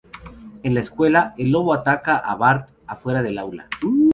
En la escuela, el lobo ataca a Bart afuera del aula.